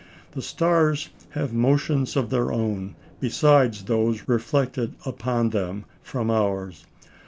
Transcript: The stars have motions of their own besides those reflected upon them from ours.